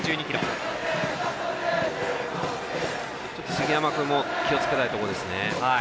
杉山君も気をつけたいところです。